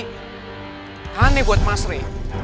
kau aneh buat mas re